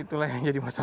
itulah yang jadi masalah